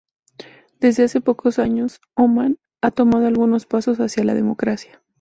Desde hace pocos años, Omán ha tomado algunos pasos hacia la democracia.